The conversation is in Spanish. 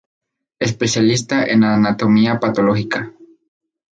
Especialista en Anatomía Patológica.